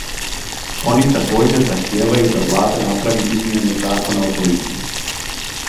Они такоđер захтијевају да влада направи измјене закона о полицији.